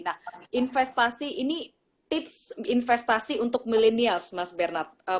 nah investasi ini tips investasi untuk millenials mas bernad